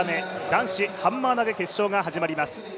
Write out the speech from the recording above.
男子ハンマー投決勝が始まります。